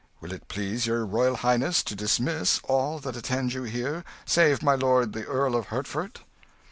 Will it please your royal highness to dismiss all that attend you here, save my lord the Earl of Hertford?"